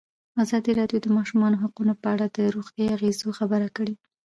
ازادي راډیو د د ماشومانو حقونه په اړه د روغتیایي اغېزو خبره کړې.